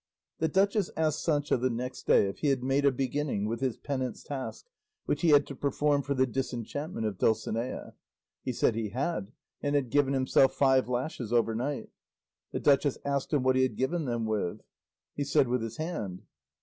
The duchess asked Sancho the next day if he had made a beginning with his penance task which he had to perform for the disenchantment of Dulcinea. He said he had, and had given himself five lashes overnight. The duchess asked him what he had given them with. He said with his hand.